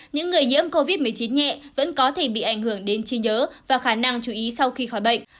những người nhiễm covid một mươi chín nhẹ vẫn có thể bị ảnh hưởng đến trí nhớ và khả năng chú ý sau khi khỏi bệnh